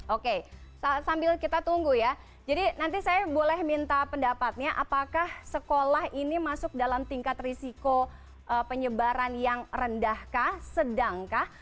oke sambil kita tunggu ya jadi nanti saya boleh minta pendapatnya apakah sekolah ini masuk dalam tingkat risiko penyebaran yang rendahkah sedangkah